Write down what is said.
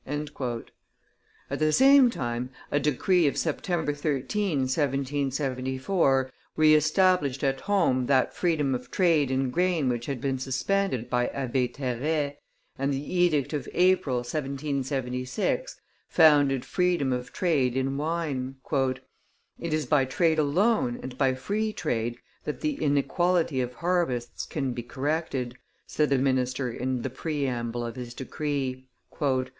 At the same time, a decree of September 13, 1774, re established at home that freedom of trade in grain which had been suspended by Abbe Terray, and the edict of April, 1776, founded freedom of trade in wine. "It is by trade alone, and by free trade, that the inequality of harvests can be corrected," said the minister in the preamble of his decree.